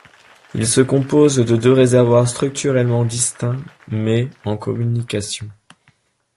Il se compose de deux réservoirs structurellement distincts, mais en communication.